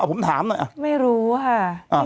ผมถามหน่อยไม่รู้ค่ะ